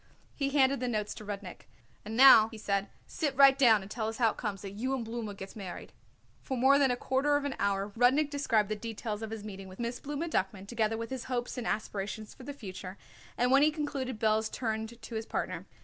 He handed the notes to Rudnik. "And now," he said, "sit right down and tell us how it comes that you and Blooma gets married." For more than a quarter of an hour Rudnik described the details of his meeting with Miss Blooma Duckman, together with his hopes and aspirations for the future, and when he concluded Belz turned to his partner.